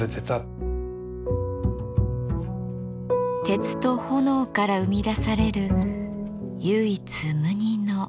鉄と炎から生み出される唯一無二の芸術です。